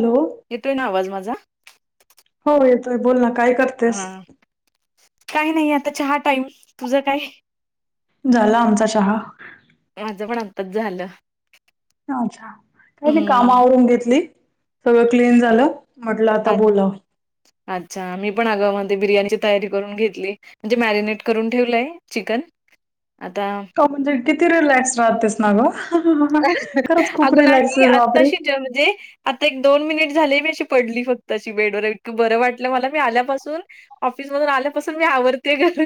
Hello येतोय ना आवाज माझा? हो येतोय बोल ना काय कर हम्म काही नाही आता चहा टाईम तुझ काय? झाला आमचा चहा. माझं पण आताच झालं. आच्छा काय नाही काम हम्म आवरून घेतली, सगळं क्लीन झालं म्हटलं आता बोलाव. आच्छा मी पण आगं म ती बिर्याणीची तयारी करून घेतली. म्हणजे मॅरिनेट करून ठेवलंय चिकन आता ठो म्हणजे किती रिलॅक्स राहतेस ना गं. आगं नाही बापरे आताशी ज म्हणजे आता एक दोन मिनिट झाले मी अशी पडली फक्त अशी बेडवर इतकं बरं वाटलं मला मी आल्यापासून ऑफिस मधून आल्यापासून मी आवरतेय घर.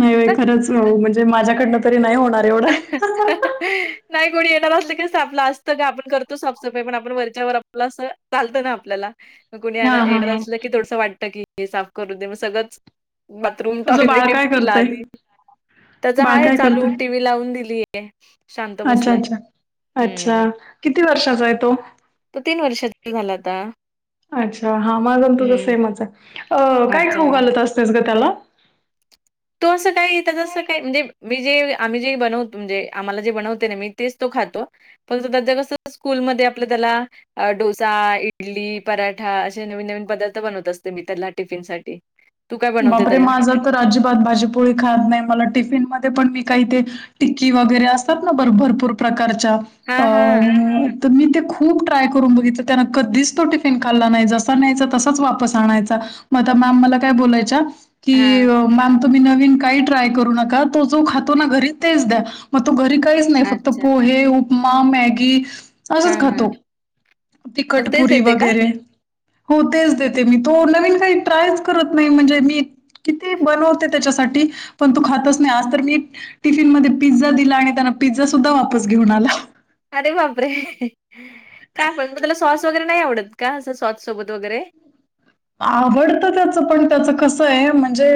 नाही बाई खरंच ओ म्हणजे माझ्याकडनं तरी नाही होणार एवढं. नाही कोणी येणार आसलका सा आपला असतं का आपण करतो साफसफाई पण आपण वरच्यावर आप पला आस चालतं ना आपल्याला मग कुणी हा येना हा येणार हा असलं की थोडसं वाटतं की हे साफ करू दे मग सगळंच बाथरूम, तुझं बाळ टॉयलेट, काय करतय लादी त्याचा बाळ हाय काय चालू करतय टी. व्ही लावून दिली ये शांत बसलाय. आच्छा हम्म. किती वर्षाचा आहे तो? तो वर्षाचा झाला आता. अच्छा हा माझा आण तुझं हम्म. सेमच आहे अ काय अच्छा. खाऊ घालत असतेस ग त्याला? तो असं काय त्याचा असं काय म्हणजे मी जे आम्ही जे बनवतो म्हणजे आम्हाला जे बनवते ना मी तेच तो खातो पण सध्या कसं स्कूलमध्ये आपलं तेला अ डोसा, इडली, पराठा असे नवीन नवीन पदार्थ बनवत असते मी त्याला टिफिनसाठी. तू काय बनवते बापरे त्याला? माझा तर अजिबात भाजीपोळी खात नाही मला टिफिन मध्ये पण मी काही ते टिक्की वगैरे असतात ना भर भरपूर प्रकारच्या अ हां, हां. त मी ते खूप ट्राय करून बघितलं त्यान कधीच तो टिफिन खाल्ला नाही जसा न्यायचा तसाच वापस आणायचा. म आता मॅम मला काय बोलायच्या की हां. मॅम तुम्ही नवीन काही ट्राय करू नका तो जो खातो ना घरी तेच द्या. मग तो घरी काहीच नाही फक्त अच्छा. पोहे, उपमा, मॅगी हां, असंच हां. खातो मग तेच तिकटपुरी देते का? वगैरे हो तेच देते मी तो नवीन काही ट्रायच करत नाही म्हणजे मी किती बनवते त्याच्यासाठी पण तो खातच नाही आज तर मी टिफिन मध्ये पिझ्झा दिला आणि त्याना पिझ्झा सुद्धा वापस घेऊन आला. अरे बापरे! का आपण म त्याला सॉस वगैरे नाही आवडत का असं सॉस सोबत वगैरे? आवडतं त्याचं पण त्याच कसं आहे म्हणजे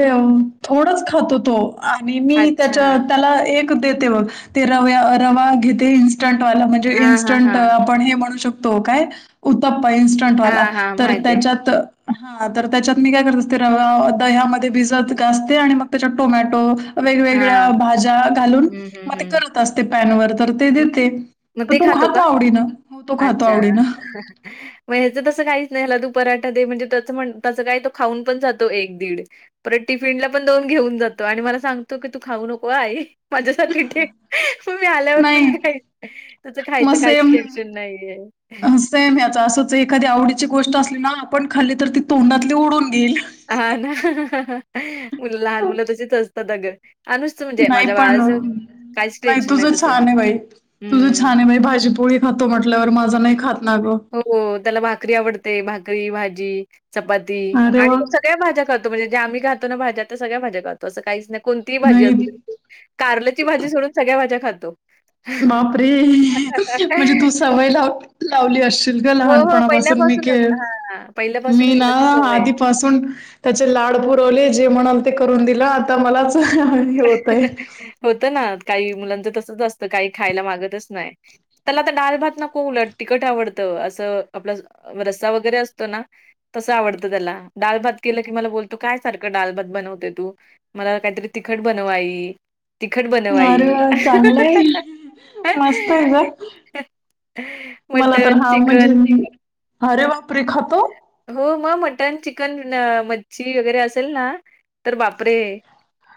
थोडच खातो तो. आणि मी अच्छा. त्याच्या त्याला एक देते ते रवा घेते इन्स्टंट वाला म्हणजे हां, हां, इन्स्टंट हां. आपण म्हणू शक तो, काय उत्तप्पा इन्स्टंटवाला हां, हां. तर माहिती आहे. त्याच्यात हा तर त्याच्यात मी काय करत असते दह्यामध्ये भिजत घासते आणि मग त्याच्यात टोमॅटो वेगवेगळ्या हां. भाज्या घालून हं, हं, मग ते हं. करत असते पॅनवर तर ते मग देते. मग तर ते तो का? खातो आवडीन हो तो खातो अच्छा आवडीन. [unintelligible] मग ह्याचं तसं काहीच नाही याला तू पराठा दे म्हणजे त्या त्या काय तो खाऊन पण जातो एक दीड. परत टिफिनला पण घेऊन जातो आणि मला सांगतो की तू खाऊ नको आई. माझ्यासाठी ठेव मग मी आल्यावर पण नाही खाईन. त्याच मग खायचं काहीच सेम टेन्शन नाहीये. सेम याचा असच एखादी आवडीची गोष्ट असली ना आपण खाल्ली तर ती तोंडातली डून घेईल. हा ना लहान मुलं तशीच असतात अगं. अनुजचं म्हणजे नाही माझ्या पण बाळाचं काहीच नाही टेन्शन तुझं तसं. छान आहे बाई तुझं हम्म. छान आहे बाई भाजीपोळी खातो म्हटल्यावर माझा नाही खात ना ग. हो त्याला भाकरी आवडते भाकरी भाजी चपाती अरे वा! आणि सगळ्या भाज्या खातो म्हणजे जे आम्ही खातो ना भाज्या त्या सगळ्या भाज्या खातो अस काहीच नाही. कोणतीही भाजी नाही असुदे कारल्याची भाजी सोडून सगळ्या भाज्या खातो. बापरे म्हणजे! तू सवय लावली लावली असशील ग हो, हो. लहानपणापासून पहिल्यापासूनच हां, मी पहिल्यापासूनच ना त्याला ती सवय आहे. आधीपासून त्याचे लाड पुरवले जे म्हणाल ते करून दिलं आता मलाच हे होतय. होत ना काही मुलांच तसच असतं काही खायला मागतच नाही त्याला आता डाळ भात नको उलट तिकट आवडत असं आपला रस्ता वगैरे असतो ना तसं आवडतं त्याला डाल भात केलं की मला बोलतो काय सारखं डाल भात बनवते तू! मला काहीतरी तिखट बनव आई तिखट बनव आई! अरे वा! चांगलंय मस्त आहे ग, मला तर मटन हा म्हणजे चिकन मी अरे बापरे खातो! हो मग मटन, चिकन, मच्छी वगैरे असेल ना तर बापरे!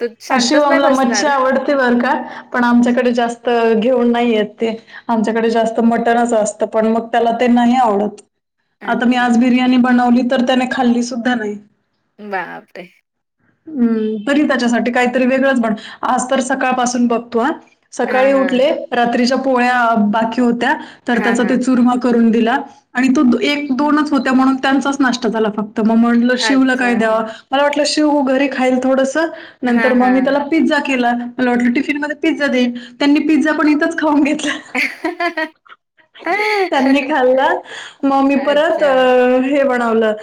तो अ शांतच नाही शिवमला मच्छी बसणार आवडते बर का पण आमच्याकडे जास्त घेऊन नाही येत ते! आमच्याकडे जास्त मटणच असतं पण मग त्याला ते नाही आवडत. आता मी अच्छा आज बिर्याणी बनवली तर त्याने खाल्ली सुद्धा नाही. बापरे! हम् तरी त्याच्यासाठी काहीतरी वेगळंच बन आज तर सकाळपासून बघतो सकाळी हां, हां. उठले रात्रीच्या पोळ्या बाकी होत्या तर हां, त्याचा ते हां. चुरम करून दिला आणि तो एक दोनच होत म्हणून त्यांचाच नाष्टा झाला फक्त मग म्हणलं शिवला काय अच्छा. द्यावा, मला वाटलं शिव घरी खाईल थोडस नंतर हां, मग मी हां. त्याला पिझ्झा केला मला वाटल टिफिन मध्ये पिझ्झा देईन त्यांनी पिझ्झा पण इथंच खाऊन घेतला. [unintelligible] त्यांनी खाल्लं मग ममी परत अच्छा. हे बनवलं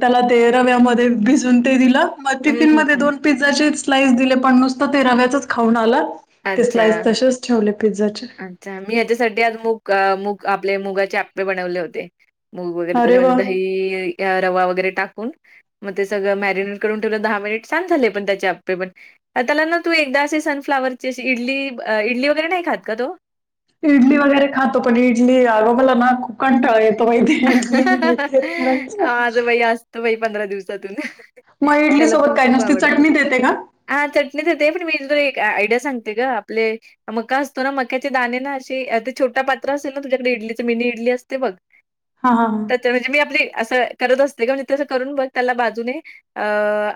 त्याला ते रव्यामध्ये भिजून ते दिलं मग हं, टिफिन हं, मध्ये हं. दोन पिझ्झाचे स्लाईस दिले पण नुसत ते रव्याचच खाऊन आला ते अच्छा, स्लाईस तसेच ठेवले पिझ्झाचे. अच्छा मी ह्याच्यासाठी आज मूग मग आपले मुगाचे आपे बनवले होते. मूग वगैरे अरे त्याच्यामध्ये वा दही, रवा वगैरे टाकून मग ते सगळं मॅरिनेट करून ठेवलं दहा मिनिट छान झाले पण त्याचे आप्पे पण त्याला ना तू एकदा असे सनफ्लावरची अ शी इडली इडली वगैरे नाही खात का तो? इडली वगैरे खातो पण इडली [unintelligible] ना खूप कंटाळला येतो. [unintelligible] तर बाई पंधरा दिवसातून मग इडली सोबत काय नुसती चटणी देते का? हा चटणी देते पण मी तुला एक आयडिया सांगते का आपले मका असतो ना मक्याचे दाणे ना असे ते छोट पात्र असेल ना तुझ्याकडे इडलीच मिनी इडली असते बघ हा हा हा. त्याच्या म्हणजे मी आपली असं करत असते क म्हणजे ते असं करून बघ त्याला बाजूने अ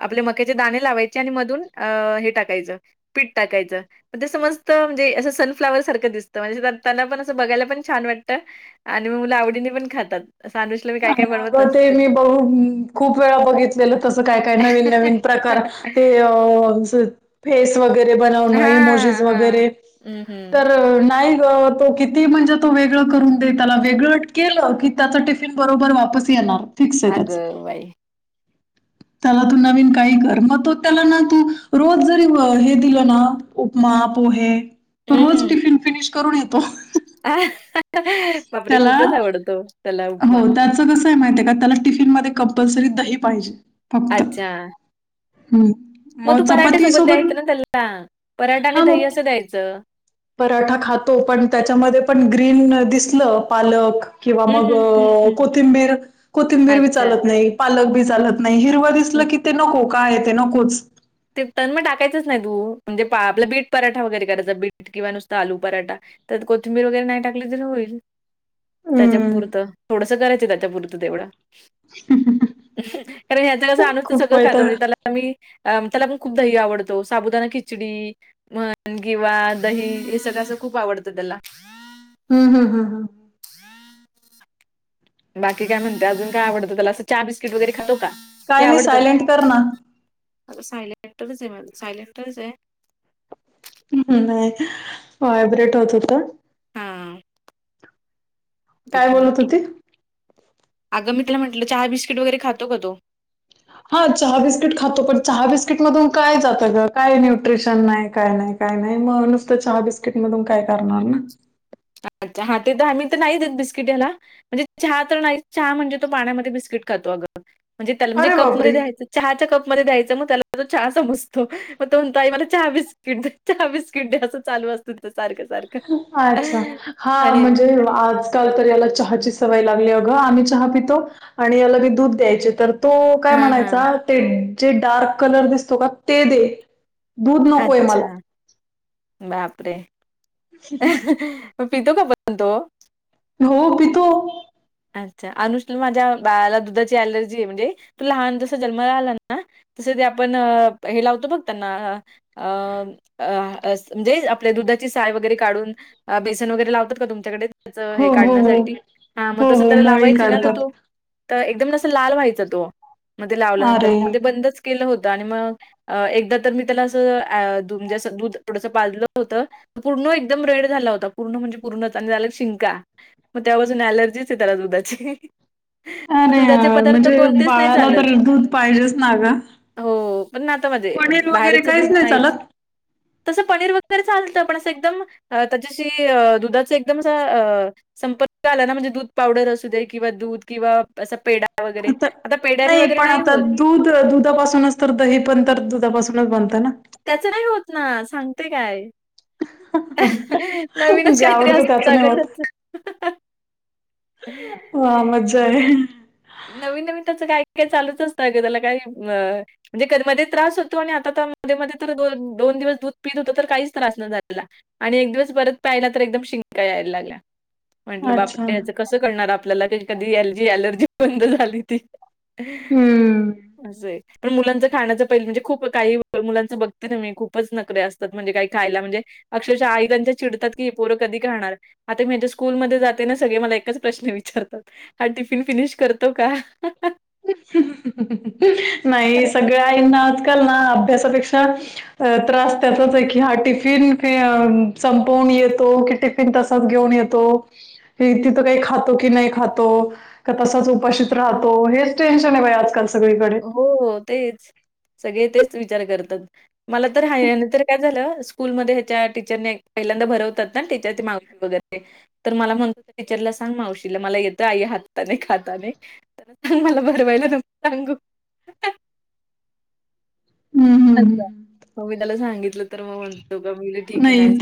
आपल्या मक्याचे दाणे लावायचे आणि मधून अ हे टाकायचं पीठ टाकायचं तर ते समजत म्हणजे असं सनफ्लाॉवर सारखं दिसतं म्हणजे त्यांना पण असं बघायला पण छान वाटतं आणि म मुला आवडीने पण खातात [unintelligible] आणि अगं ते असते. मी बघ खूप वेळा बघितलेलं तसं काय काय नवीन नवीन प्रकार ते अह च फेस वगैरे बनवणं इमोजिज हां, हां. वगैरे हं, हं. तर नाही ग तो किती म्हणजे तो वेगळ करून दे त्याला वेगळं केलं की त्याचा टी फिन बरोबर वापस येणार फिक्स आहे त्याचं अगं बाई! त्याला तू नवीन काही कर मग तो त्याला ना तू रोज जरी हे दिलं ना उपमा पोहे हं. रोज हं. टिफिन फिनिश करून येतो बापरे खूपच त्याला आवडतो त्याला उपमा. हो त्याच कसं आहे माहिती आहे का त्याला टिफिनमध्ये कंपल्सरी दही पाहिजे हम्म अच्छा. हम्म मग तू पराठे सोबत द्यायचं ना त्याला. पराठा आणि हां, दही मग असं द्यायचं पराठा खातो पण त्याच्यामध्ये पण ग्रीन दिसलं पालक किंवा हं, मग हं, हं, हं. कोथिंबीर, कोथिंबीर बी अच्छा. चालत नाही पालक बी चालत नाही हिरव हं. दिसल की ते नको काय आहे ते नकोच ते तर मग टाकायचंच नाही तू म्हणजे आपलं बीट पराठा वगैरे करायचा बीट किंवा नुसतं आलू पराठा त्यात कोथिंबर वगैरे नाही टाकली तरी होईल त्याच्या हं, पुरतं थोडस करायचं त्याच्या पुुरतं तेवढं कारण ह्याच कस [unintelligible] खूप सगळं खातो वैताग म्हणजे त्याला मी अ त्याला पण खूप दही आवडतो, साबुदाना खिचडी मग किंवा दही हे सगळं अस खूप आवडतं त्याला हम्म हम्म हम्म हम्म. हम् बाकी काय म्हणते अजून काय आवडतं त्याला असं चहा बिस्किट वगैरे खातो का? ते काय नाही आवडतं ना. सायलेंट कर सायलेंवरच आहे माझा सायलेंवरच आहे. नाही व्हायब्रेट होत होता हा. काय एक बोलत मिनिट. होती? अगं मी तुला म्हटलं चहा बिस्किट वगैरे खातो का तो? खातो. हा चहा बिस्किट खातो पण चहा बिस्किट मधून काय जात गं काय न्यूट्रिशन नाही काय नाही काय नाही मग नुसत चहा बिस्किट मधून काय करणार ना अच्छा हा ते तर आहे, मी तर नाहीेत बिस्किट ह्याला म्हणजे चहा तर नाही चहा म्हणजे तो पाण्यामध्ये बिस्किट खातो अग म्हणजे त्याला म्हणजे अरे बापरे! कपमध्ये द्यायचं चहाच्या कप मध्ये द्यायचं मग त्याला तो चहा समजतो मग तो म्हणतो आई मला चहा बिस्किट दे चहा बिस्कीट दे असं चालू असत सारखं सारखं अच्छा हां आणि म्हणजे आज काल तर याला चहाची सवय लागली अगं आम्ही चहा पितो आणि याला मी दूध द्यायचे तर तो काय हां, हां. म्हणायचा ते जे डार्क कलर दिसतो कां ते दे दूध नकोय अच्छा मला." बापरे अहं अ मग पितो का फक्त तो हो ओ पितो अच्छा अनुष माझ्या बाळाला दुधाची अलर्जी आहे म्हणजे तू लहान जस जन्ला आला ना तसं ते आपण हे लावतो बघ त्यांना आ अ अहा म्हणजे आपल्या दुधाची साय वगैरे काढून बेसन वगैरे लावतात का तुमच्याकडे त्याच हे हो, हो, हो. काढण्यासाठी हा मग हो, तसं हो, त्याला मळी लावायची ना तर काढतात. तो तर एकदम अस लाल व्हायचं तो मध्ये लावल्यानंतर अरे! म ते बंदच केलं होतं आणि मग अ एकदा तर मी त्याला असं ऍम्हणजे असं दूध थोडसं पाजलं होतं पूर्ण एकदम रेड झाला होता पूर्ण म्हणजे पूर्णत आणि झालं शिंका मग तेव्हापासून अऍलर्जीच आहे त्याला दुधाची मग अरे दुधाचे यार पदार्थ म्हणजे कोणतेच नाही बाळाला चालत. तर दूध पाहिजेच ना ग हो पण ना आता माझं बाहेरच काहीच दूध नाही नाहीच चालत तसं पनीर वगैरे चालत पण असं एकदम अ त्याच्याशी अ दुधाचा एकदम अस आ संपर्क आला ना म्हणजे दुध पावडर असू दे किंवा दूध किंवा असा पेडा वगैरे आता पेड्याने वगैरे पण नाही आता होतं दूध अ दुधापासूनच तर दही पण तर दुधापासूनच बनतं ना त्याच नाही होत ना सांगते कायं नवीनच जे काही आवडतं त्याच असतं अगं नाही होत त्याचं अहं हा मज्जा आहे नवीन नवीन त्याचं काही काय चालूच असतं अगं त्याला काही अ म्हणजे कधी मध्ये त्रास होतो आणि आता तर मध्ये मध्ये तर दो दोन दिवस दूध पीत होत तर काहीच त्रास न जानला आणि एक दिवस परत पाहिला तर एकदम शिंका यायला लागल्या म्हंटलं अच्छा बापर ह्याच कसं करणार आपल्याला क कधी एलजी एलर्जी बंद झाली ती हम्म अस हे पण मुलांचं खाण्याचं पहिलं म्हणजे खूप काही मुलांचं बघते ना मी खूपच नखरे असतात म्हणजे काही खायला म्हणजे अक्षरच्या आई त्यांच्या चिडतात की पोरं करणार आता माझ्या स्कूलमध्ये जाते ना सगळे मला एकच प्रश्न विचारतात हा टिफिन फिनिश करतो का अहं ह् ह् ह् ह् ह् नाही सगळ्या आईंना आजकाल ना अभ्यासापेक्षा त्रास त्याचाच आहे की हा टिफिन संपवून येतो की पण तसच घेऊन येतो हे तिथं काही खातो की नाही खातो का तसच उपशीित राहतो हेच टेनशन आहे बा आजकाल सगळीकडे हो तेच सगळे तेच विचार करतात मला तर ह तरर काय झालं स्कूल म ह्याच्या टीचरने पहिल्यांदा भरवतात ना टीचरची मागणी वगैरे तर मला म्हणतो टीचरला सांग मावशीला मला येतं आई हाताने खाताना सांग मला बरंवाहियला ना सांगू हम्म हम्म हम्म. मग मी त्याला सांगितलं तर मग म्हणतो का मी ठीके नाही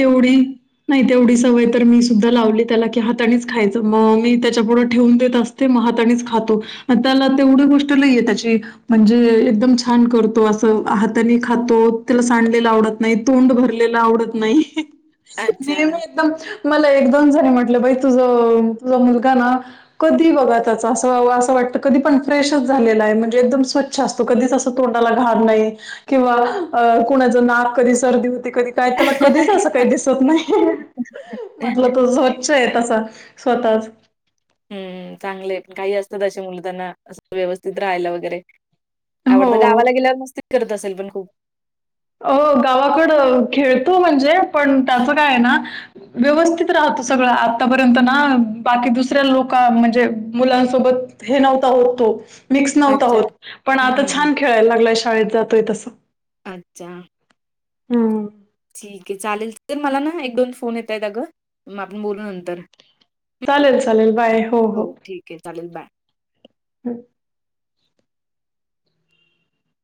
नाही तेवढी सवय तर मी सुद्धा लावली त्याला की हात आणिच खायचं मग मी त्याच्या पुढं ठेवून देत असत ते महाताणीच खातो त्याला तेवढी गोष्ट नाहीये त्याची म्हणजे एकदम छान करतो असं हाताने खातो त्याला सांडलेलं आवडत नाही तोंड भरलेला आवडत नाही ने अच्छा. एकदम मला एक दोन जणी म्हटलं बाई तुझं तुझा मुलगा ना कधी बघा त्याच अस असं वाटत कधी पण फ्रेशच झालेला आहे म्हणजे एकदम स्वछ कधी तोंा घ किं कधी स क का त्याला कधीच अस काही दिसत नाही म्हटलं त उच् येत असा स्वतःच हम्म चांगले काही असतात अे मुलतांना अस व्यवस्थित राहायला वगैरे आवडतं हो गावाला गेल्यावर मस्तीत करत असेल पण खूप अ गावाकड खेळतो म्हणजे पण त्याचं काय आहे ना व्यवस्थित राहतो सगळं आतापर्यंत ना बाकी दुसऱ्या लोक म्हणजे मुलांसोबत हे नव्हता होत तो मिक्स नव्हता अच्छा. होत पण हं, आता हं, हं. छान खेळायला लागलाय शाळेत जातोय तसं. अच्छा. हम ठीक आहे चालेल तर मला ना एक दोन फोन येत आहेत अगं आपण बोलू नंतर. चालेल चालेल बाय हो हो. ठीक आहे चालेल बाय.